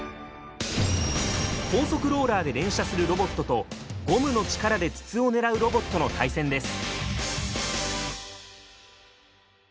高速ローラーで連射するロボットとゴムの力で筒を狙うロボットの対戦です。